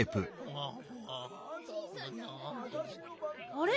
あれ？